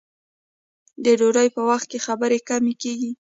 د ډوډۍ په وخت کې خبرې کمې کیږي.